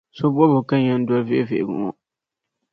So’ bɔbigu ka n yɛn dɔli vihi vihigu ŋɔ.